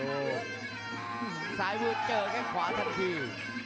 โอ้โหซ้ายมือเจอแค่งขวาทันที